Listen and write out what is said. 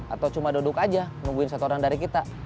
atau cuma duduk aja nungguin satu orang dari kita